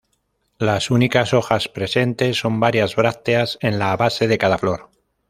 Las únicas hojas presentes son varias brácteas en la base de cada flor.